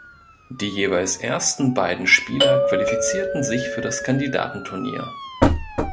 Die jeweils ersten beiden Spieler qualifizierten sich für das Kandidatenturnier.